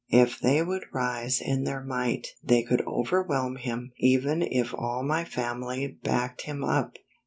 If they would rise in their might they could overwhelm him even if all my family backed him up.